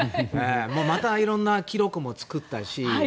また色んな記録も作ったし。